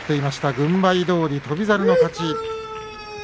軍配どおり翔猿の勝ち。